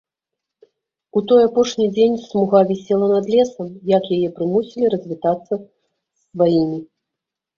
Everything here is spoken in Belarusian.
У той апошні дзень смуга вісела над лесам, як яе прымусілі развітацца з сваімі.